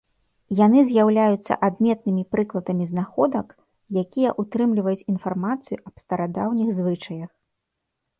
Яны з'яўляюцца адметнымі прыкладамі знаходак, якія ўтрымліваюць інфармацыю аб старадаўніх звычаях.